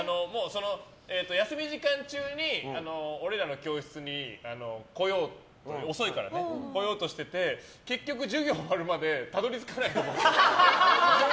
休み時間中に俺らの教室に来ようとしてて結局授業終わるまでたどり着かない。